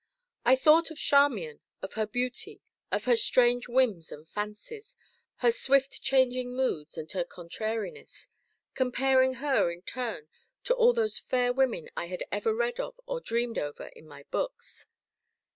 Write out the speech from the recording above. I thought of Charmian, of her beauty, of her strange whims and fancies, her swift changing moods and her contrariness, comparing her, in turn, to all those fair women I had ever read of or dreamed over in my books.